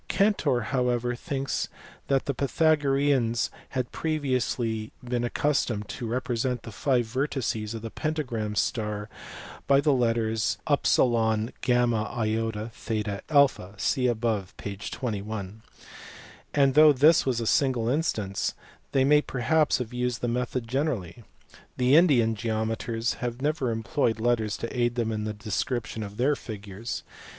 Cantor however thinks that the Pythagoreans had previously been accustomed to represent the five vertices of the pentagram star by the letters v y i a (see above, p. 21); and though this was a single instance, they may perhaps have used the method generally. The Indian geometers never employed letters to aid them in the description of their figures.